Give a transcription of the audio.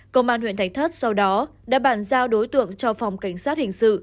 công an huyện thạch thất sau đó đã bàn giao đối tượng cho phòng cảnh sát hình sự